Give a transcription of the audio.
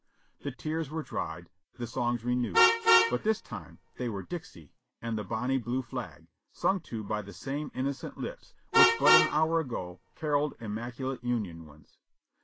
The tears were dried, the songs renewed, but this time they were "Dixie" and the "Bonnie Blue Flag," sung too by the same in nocent lips which but an hour ago caroled immaculate Union ones.